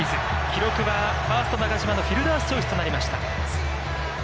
記録はファースト中島のフィルダースチョイスとなりました。